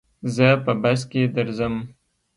زه په بس کي درځم.